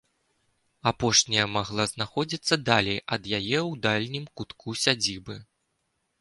Апошняя магла знаходзіцца далей ад яе ў дальнім кутку сядзібы.